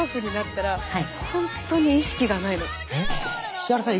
石原さん